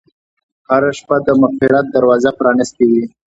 هره شپه د مغفرت دروازه پرانستې وي.